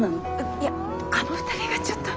いやあの２人がちょっと。